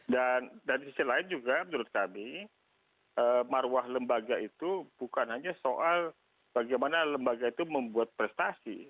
dan dari sisi lain juga menurut kami maruah lembaga itu bukan hanya soal bagaimana lembaga itu membuat prestasi